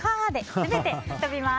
全て吹っ飛びます。